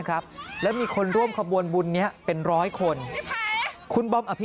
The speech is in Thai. ครับแล้วมีคนร่วมขบวนบุญนี้เป็นร้อยคนคุณบอมอภิ